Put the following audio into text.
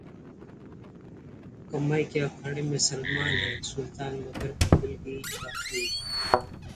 कमाई के अखाड़े में सलमान हैं 'सुल्तान', मगर 'दंगल' अभी बाकी है...